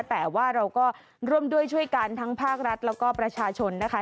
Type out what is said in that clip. แต่ว่าเราก็ร่วมด้วยช่วยกันทั้งภาครัฐแล้วก็ประชาชนนะคะ